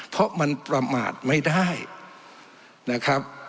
เพราะมันประมาทไม่ได้นะครับ